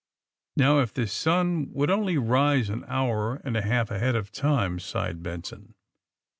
*^ Now, if the sun would only rise an hour and a half ahead of time !'' sighed Benson.